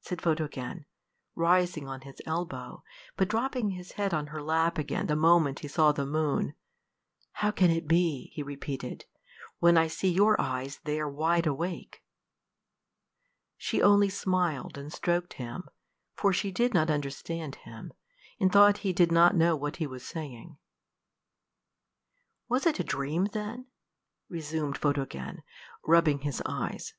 said Photogen, rising on his elbow, but dropping his head on her lap again the moment he saw the moon "how can it be," he repeated, "when I see your eyes there wide awake?" She only smiled and stroked him, for she did not understand him, and thought he did not know what he was saying. "Was it a dream, then?" resumed Photogen, rubbing his eyes.